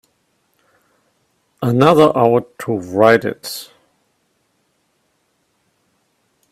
Another hour to write it.